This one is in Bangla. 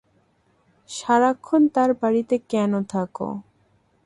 সারাক্ষণ তার বাড়িতে কেন থাকো?